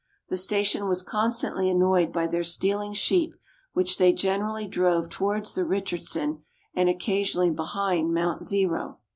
The station was constantly annoyed by their stealing sheep, which they generally drove towards the Richardson, and occasionally behind Mount Zero.